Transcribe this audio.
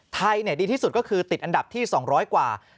ดีที่สุดก็คือติดอันดับที่๒๐๐กว่า